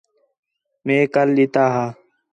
مئے کل ݙِتا ہا